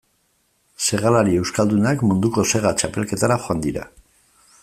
Segalari euskaldunak munduko sega txapelketara joan dira.